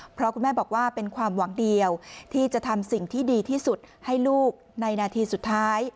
เพราะคุณแม่บอกว่าเป็นความหวังเดียวที่จะทำสิ่งที่ดีที่สุดให้ลูกในนาทีสุดท้าย